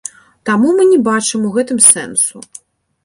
Таму мы не бачым у гэтым сэнсу.